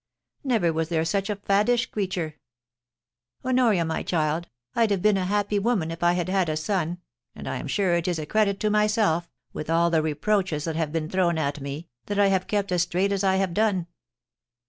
Never was there such a faddish creature ! Honoria, my child, I'd have been a happy woman if I had had a son, and I am sure it is a credit to myself, with all the reproaches that have been thrown at me, that I have kept as straight as I have done.